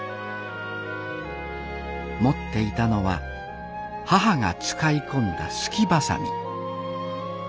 持っていたのは母が使い込んだすき鋏。